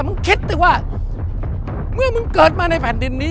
มึงคิดสิว่าเมื่อมึงเกิดมาในแผ่นดินนี้